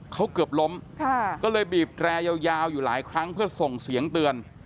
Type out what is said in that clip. เขาเกือบล้มก็เลยบีบแตรยาวอยู่หลายครั้งเพื่อส่งเสียงเตือน